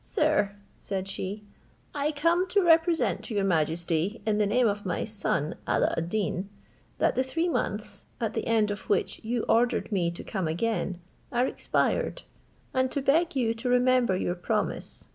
Sir," said she, "I come to represent to your majesty, in the name of my son Alla ad Deen, that the three months, at the end of which you ordered me to come again, are expired; and to beg you to remember your promise."